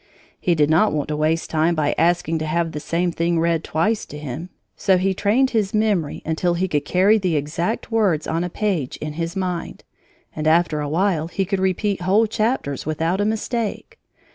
He did not want to waste time by asking to have the same thing read twice to him, so he trained his memory until he could carry the exact words on a page in his mind, and after a while he could repeat whole chapters without a mistake.